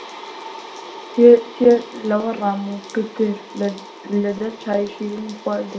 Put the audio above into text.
تێر لەوەڕام و پتر لە دە چای شیرنم خواردەوە